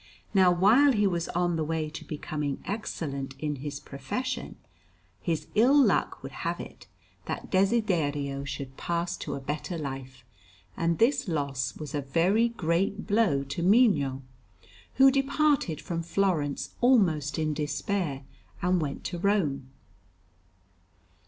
Now, while he was on the way to becoming excellent in his profession, his ill luck would have it that Desiderio should pass to a better life, and this loss was a very great blow to Mino, who departed from Florence, almost in despair, and went to Rome.